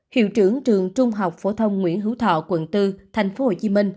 hiệu trưởng trường trung học phổ thông nguyễn hữu thọ quận bốn tp hcm